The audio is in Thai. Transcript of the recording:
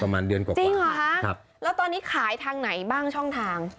และตอนนี้ขายทางไหนบ้าง